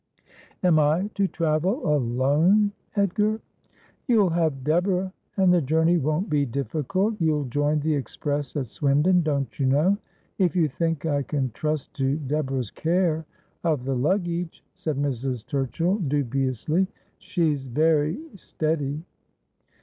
' Am I to travel alone, Edgar ?'' You'll have Deborah. And the journey won't be difficult. You'll join the express at Swindon, don't you know '' If you think I can trust to Deborah's care of the luggage,' said Mrs. Turchill dubiously. ' She's very steady.'